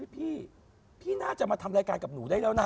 พี่พี่น่าจะมาทำรายการกับหนูได้แล้วนะ